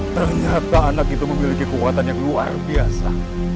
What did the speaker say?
ternyata anak itu memiliki kekuatan yang luar biasa